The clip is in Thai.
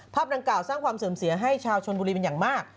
ดังกล่าวสร้างความเสื่อมเสียให้ชาวชนบุรีเป็นอย่างมาก